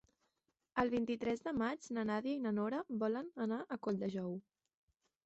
El vint-i-tres de maig na Nàdia i na Nora volen anar a Colldejou.